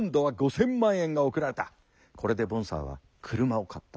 これでボンサーは車を買った。